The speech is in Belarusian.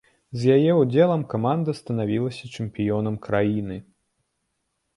З яе ўдзелам каманда станавілася чэмпіёнам краіны!